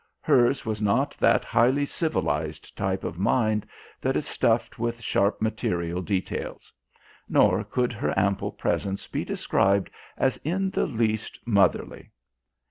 Hers was not that highly civilised type of mind that is stuffed with sharp material details. Nor could her ample presence be described as in the least motherly.